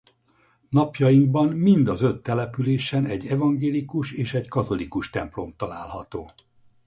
Napjainkban mind az öt településen egy evangélikus és egy katolikus templom található.